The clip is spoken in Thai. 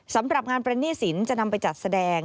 สำหรับงานปรณหนี้สินจะนำไปจัดแสดง